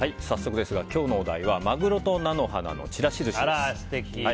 早速ですが今日のお題はマグロと菜の花のちらしずしです。